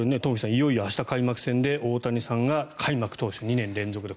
いよいよ明日開幕戦で大谷さんが開幕投手２年連続で。